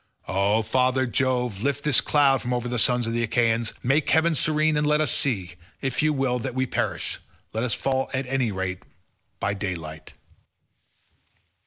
O father Jove, lift this cloud from over the sons of the Achaeans; make heaven serene, and let us see; if you will that we perish, let us fall at any rate by daylight."